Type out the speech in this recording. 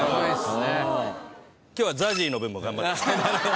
今日はＺＡＺＹの分も頑張って。